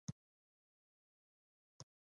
“دا به بیا په لمر لویدو کی، د مرغانو سیل له ورایه